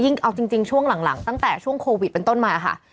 เอาจริงช่วงหลังตั้งแต่ช่วงโควิดเป็นต้นมาค่ะ